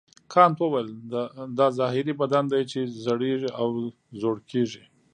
کانت وویل دا ظاهري بدن دی چې زړیږي او زوړ کیږي.